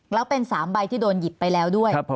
แล้วเป็น๓ใบที่โดนหยิบไปแล้วด้วย